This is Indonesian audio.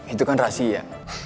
itu kan rahasia